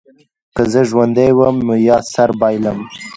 که زه ژوندی وم نو یا سر بایلم.